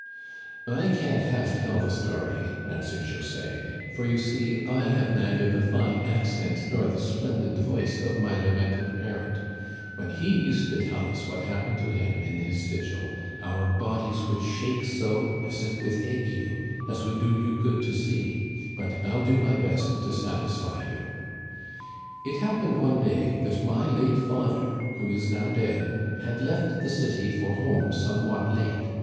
I can't half tell the story," answered José, " for, you see, I have neither the fine accent nor the splendid voice of my lamented parent. When he used to tell us what happened to him in his vigil, our bodies would shake so, as if with ague, as would do you good to see. But I'll do my best to satisfy you :" It happened one day that my late father, who is now dead, had left the city for home somewhat late.